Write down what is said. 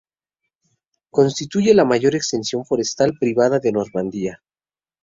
Constituye la mayor extensión forestal privada de Normandía.